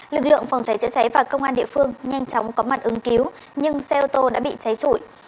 lực lượng phòng cháy chữa cháy và công an địa phương nhanh chóng có mặt ứng cứu nhưng xe ô tô đã bị cháy trụi